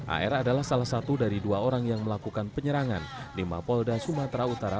ar adalah salah satu dari dua orang yang melakukan penyerangan di mapolda sumatera utara